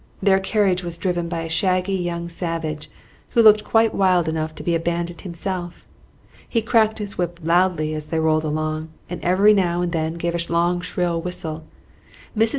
Their carriage was driven by a shaggy young savage, who looked quite wild enough to be a bandit himself. He cracked his whip loudly as they rolled along, and every now and then gave a long shrill whistle. Mrs.